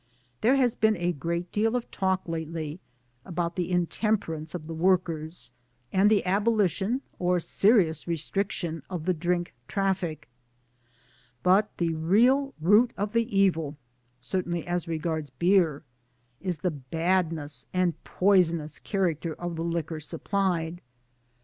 There has been a great deal of talk lately about the intemperance of the workers, and the abolition or serious restric tion of the drink traffic ; but the real root of the evil (certainly as regards beer) is the badness and poisonous character of the liquor supplied.